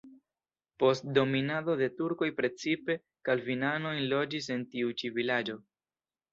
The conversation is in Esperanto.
Post dominado de turkoj precipe kalvinanoj loĝis en tiu ĉi vilaĝo.